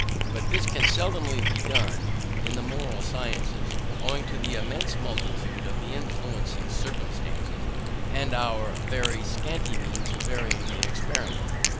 But this can seldom be done in the moral sciences, owing to the immense multitude of the influencing circumstances, and our very scanty means of varying the experiment.